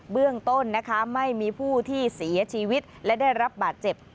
เรื่องต้นนะคะไม่มีผู้ที่เสียชีวิตและได้รับบาดเจ็บ